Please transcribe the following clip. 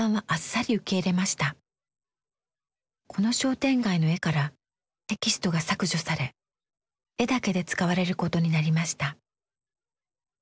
この商店街の絵からテキストが削除され絵だけで使われることになりました。